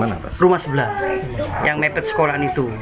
api asalnya dari rumah sebelah yang mepet sekolah itu